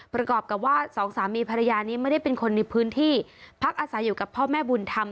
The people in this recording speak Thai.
ประกอบกับว่าสองสามีภรรยานี้ไม่ได้เป็นคนในพื้นที่พักอาศัยอยู่กับพ่อแม่บุญธรรม